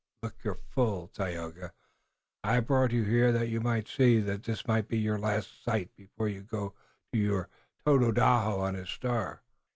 Look! Look your fill, Tayoga! I have brought you here that you might see, that this might be your last sight before you go to your Tododaho on his star."